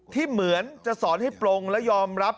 เหมือนจะสอนให้ปลงและยอมรับ